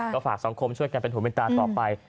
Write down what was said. ก็ฝากสังคมช่วยกันเป็นหูเป็นตาต่อไป